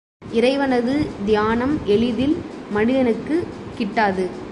இறைவனது தியானம் எளிதில் மனிதனுக்குக் கிட்டாது.